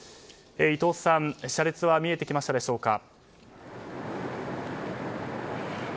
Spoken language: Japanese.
伊藤さん、車列は見えてきましたでしょうか。